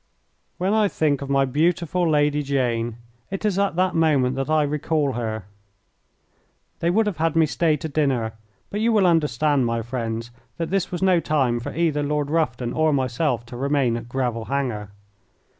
When I think of my beautiful Lady Jane it is at that moment that I recall her. They would have had me stay to dinner, but you will understand, my friends, that this was no time for either Lord Rufton or myself to remain at Gravel Hanger.